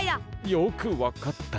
よくわかったな。